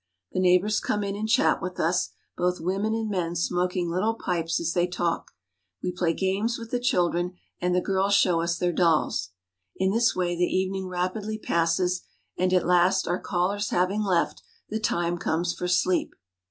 The neighbors come in women and men smoking little We play games with the children, and the girls show us their dolls. In this way the evening rapidly passes, and at last, our callers having left, the time comes for sleep.